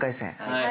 はい！